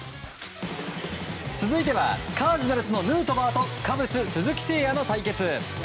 続いてはカージナルスのヌートバーとカブス、鈴木誠也の対決。